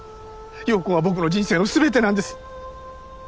葉子は僕の人生の全てなんです！